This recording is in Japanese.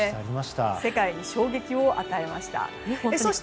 世界に衝撃を与えました。